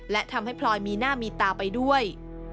และทำให้พลอยมีหน้ามีตาไปด้วย